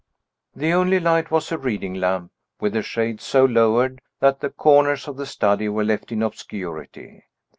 The only light was a reading lamp, with the shade so lowered that the corners of the study were left in obscurity.